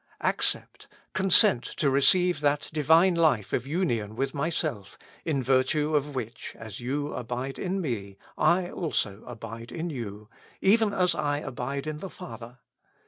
Accept, consent to receive that Divine life of union with myself, in virtue of which, as you abide in me, I also abide in you, even as I abide in the Father.